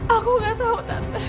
aku gak tau tante